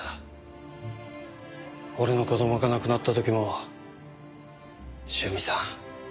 俺の子供が亡くなった時も塩見さん